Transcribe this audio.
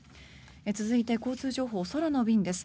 続いて、交通情報空の便です。